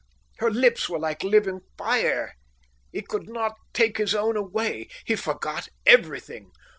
Her lips were like living fire. He could not take his own away. He forgot everything.